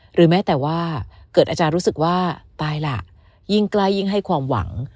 หรือแม้แต่ว่าเกิดอาจารย์รู้สึกว่าตายล่ะยิ่งใกล้ยิ่งให้ความหวัง